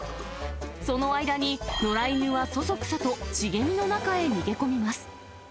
その間に、野良犬はそそくさと、茂みの中に逃げ込みます。